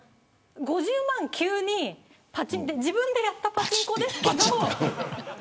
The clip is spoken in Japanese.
５０万が急に自分でやったパチンコですけど。